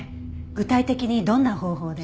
具体的にどんな方法で？